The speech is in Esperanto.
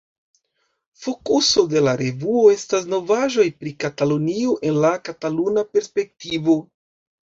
Fokuso de la revuo estas novaĵoj pri Katalunio el la kataluna perspektivo.